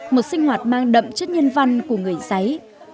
một sinh hoạt mang đậm chất nhân văn của người giấy